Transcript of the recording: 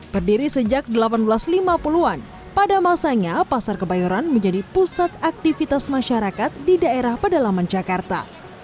berdiri sejak seribu delapan ratus lima puluh an pada masanya pasar kebayoran menjadi pusat aktivitas masyarakat di daerah pedalaman jakarta